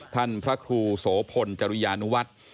ท่านพระครูโสพลจริยานุวัด